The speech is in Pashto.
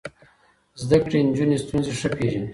زده کړې نجونې ستونزې ښه پېژني.